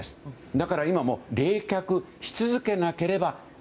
だから今も冷却し続けなければ。